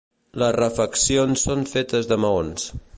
Les refeccions són fetes de maons.